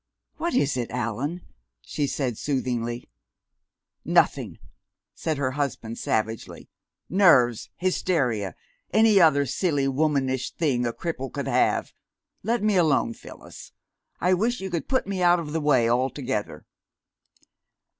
"What is it, Allan?" she said soothingly. "Nothing," said her husband savagely. "Nerves, hysteria any other silly womanish thing a cripple could have. Let me alone, Phyllis. I wish you could put me out of the way altogether!"